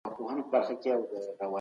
د نجونو ښوونځي باید تل خلاص وي.